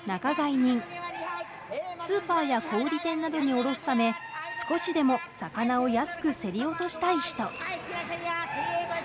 スーパーや小売店などに卸すため少しでも魚を安く競り落としたい人。